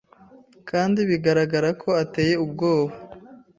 kandi bigaragara ko ateye ubwoba ....